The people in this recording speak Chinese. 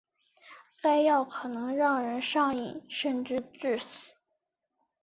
该药可能让人上瘾甚至致死。